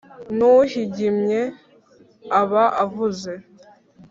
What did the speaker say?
Nuhigimye aba avuze.